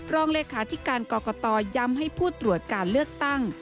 รองเลขาธิการกรกตย้ำให้ผู้ตรวจการเลือกตั้ง